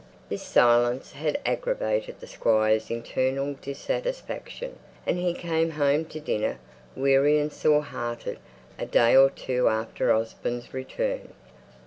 This silence had aggravated the Squire's internal dissatisfaction, and he came home to dinner weary and sore hearted a day or two after Osborne's return.